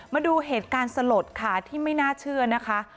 มาดูเหตุการณ์สลดค่ะที่ไม่น่าเชื่อนะคะ